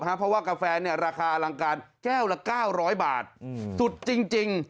เพราะว่ากาแฟราคาอลังการแก้วละ๙๐๐บาทสุดจริง